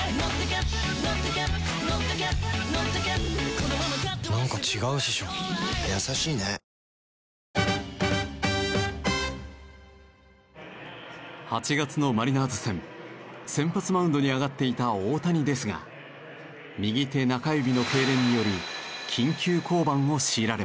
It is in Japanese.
「グランドメゾン」ｂｙ 積水ハウス８月のマリナーズ戦先発マウンドに上がっていた大谷ですが右手中指の痙攣により緊急降板を強いられます。